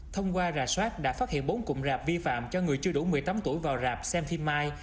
thông qua rà soát đã phát hiện bốn cụm rạp vi phạm cho người chưa đủ một mươi tám tuổi vào rạp xem phim mai